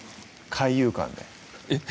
海遊館ですえっ？